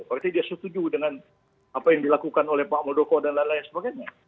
berarti dia setuju dengan apa yang dilakukan oleh pak muldoko dan lain lain sebagainya